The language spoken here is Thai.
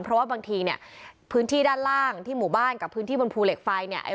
เพราะว่าบางทีเนี่ยพื้นที่ด้านล่างที่หมู่บ้านกับพื้นที่บนภูเหล็กไฟเนี่ย